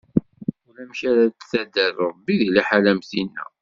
Ulamek ara d-tader Ṛebbi di liḥala am tinna.